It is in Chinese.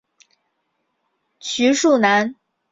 徐树楠。